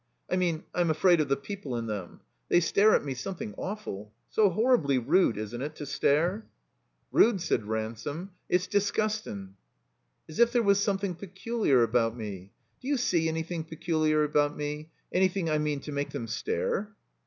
I mean I'm afraid of the people in them. They stare at me something awful. So horribly rude, isn't it, to stare?" "Rude?" said Ransome. "It's disgustin'." "As if there was something pectiliar about me. Do you see an3rthing peculiar about me? Anything, I mean, to make them stare?"